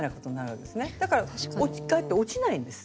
だからかえって落ちないんです。